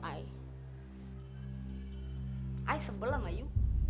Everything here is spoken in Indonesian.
saya sebelah kamu